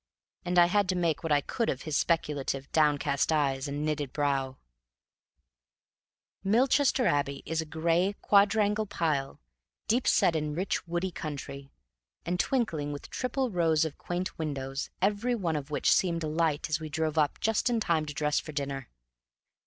And I had to make what I could of his speculative, downcast eyes and knitted brows. Milchester Abbey is a gray, quadrangular pile, deep set in rich woody country, and twinkling with triple rows of quaint windows, every one of which seemed alight as we drove up just in time to dress for dinner.